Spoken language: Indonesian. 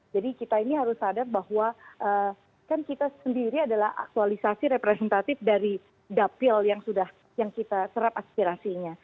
jadi kita ini harus sadar bahwa kan kita sendiri adalah aktualisasi representatif dari dapil yang kita serap aspirasinya